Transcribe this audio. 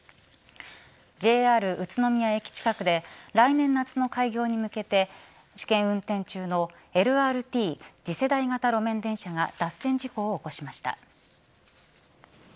ＪＲ宇都宮駅近くで来年夏の開業に向けて試験運転中のＬＲＴ＝次世代型路面電車が脱線事故を起こしました。